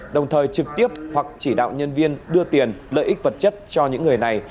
đồng thời trực tiếp hoặc chỉ đạo nhân viên đưa tiền lợi ích vật chất cho những người này